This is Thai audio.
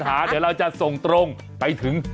เดี๋ยวเราจะส่งตรงไปถึง